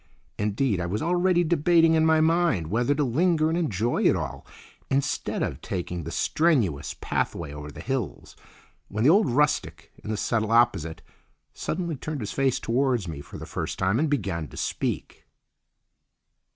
Indeed, I was already debating in my mind whether to linger and enjoy it all instead of taking the strenuous pathway over the hills, when the old rustic in the settle opposite suddenly turned his face towards me for the first time and began to speak.